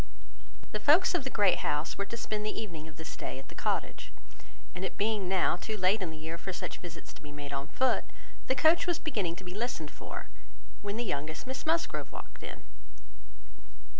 The folks of the Great House were to spend the evening of this day at the Cottage; and it being now too late in the year for such visits to be made on foot, the coach was beginning to be listened for, when the youngest Miss Musgrove walked in.